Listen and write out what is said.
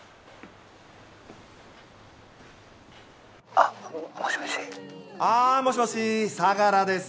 ☎あッもしもしあッもしもし相良です